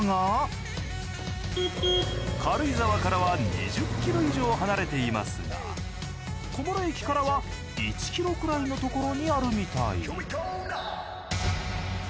軽井沢から２０キロ以上離れていますが小諸駅からは１キロくらいのところにあるみたい。